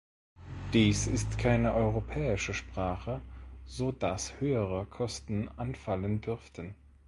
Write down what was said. Dies ist keine europäische Sprache, so dass höhere Kosten anfallen dürften.